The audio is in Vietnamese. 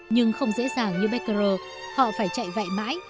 nhưng không dễ dàng như beckerer họ phải chạy vẹn mãi